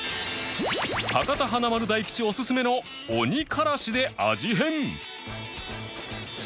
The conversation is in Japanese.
博多華丸・大吉オススメの鬼からしで味変！